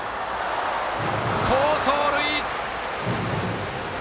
好走塁！